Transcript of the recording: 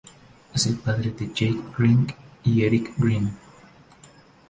Es el padre de Jake Green y Eric Green.